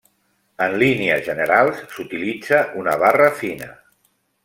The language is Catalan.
En línies generals s'utilitza una barra fina.